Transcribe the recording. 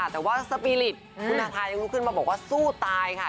แต่ว่าสปีริตคุณทาทายังลุกขึ้นมาบอกว่าสู้ตายค่ะ